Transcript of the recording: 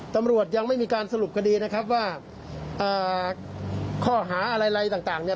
ตำรวจยังไม่มีการสรุปคดีนะครับว่าข้อหาอะไรต่างเนี่ย